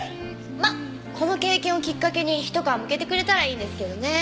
まっこの経験をきっかけにひと皮剥けてくれたらいいんですけどね。